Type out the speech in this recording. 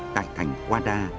tại thành guada